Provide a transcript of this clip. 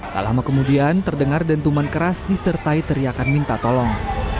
tak lama kemudian terdengar dentuman keras disertai teriakan minta tolong